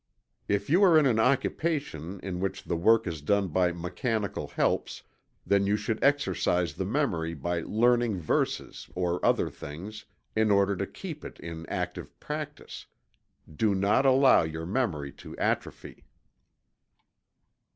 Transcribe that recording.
If you are in an occupation in which the work is done by mechanical helps, then you should exercise the memory by learning verses, or other things, in order to keep it in active practice. Do not allow your memory to atrophy.